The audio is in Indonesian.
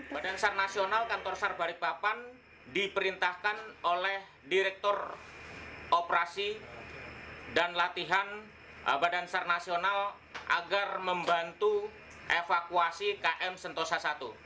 badan sar nasional kantor sar balikpapan diperintahkan oleh direktur operasi dan latihan badan sar nasional agar membantu evakuasi km sentosa i